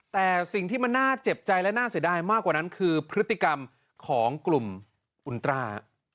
แต่สิ่งที่มันน่าเจ็บใจและน่าเสียดายมากกว่านั้นคือพฤติกรรมของกลุ่มอุณตรา